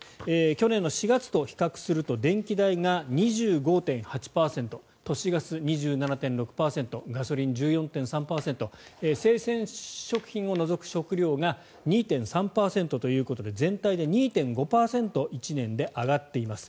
去年の４月と比較すると電気代が２５．８％都市ガス２７．６％ガソリン、１４．３％生鮮食品を除く食料が２．３％ということで全体で２．５％１年で上がっています。